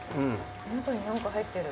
中に何か入ってる。